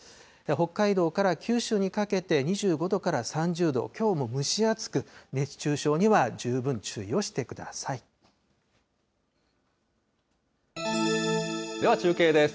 北海道から九州にかけて、２５度から３０度、きょうも蒸し暑く、熱中症には十分注意をしてくださでは中継です。